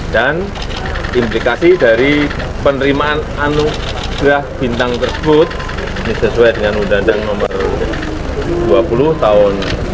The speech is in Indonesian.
dan implikasi dari penerimaan anugerah bintang tersebut ini sesuai dengan undang undang nomor dua puluh tahun dua ribu dua belas